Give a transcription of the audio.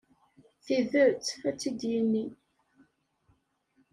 Tidet, ad tt-id-yini.